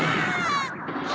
あ！